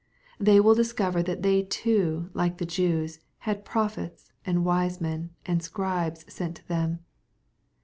They will discover that they too, like the Jews, had prophets, and wise men, and Scribes sent to them.